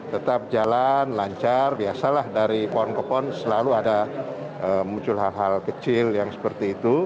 tetap jalan lancar biasalah dari pohon ke pohon selalu ada muncul hal hal kecil yang seperti itu